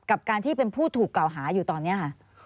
กับการที่เป็นผู้ถูกกล่าวหาอยู่ตอนนี้ค่ะ